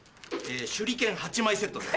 手裏剣８枚セットです。